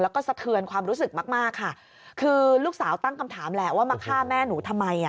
แล้วก็สะเทือนความรู้สึกมากมากค่ะคือลูกสาวตั้งคำถามแหละว่ามาฆ่าแม่หนูทำไม